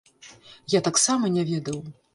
Я таксама не ведаў.